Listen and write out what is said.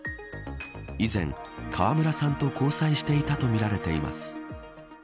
以前、川村さんと交際していたとみられています。